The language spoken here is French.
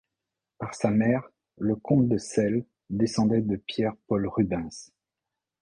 Par sa mère, le comte de Celles descendait de Pierre-Paul Rubens.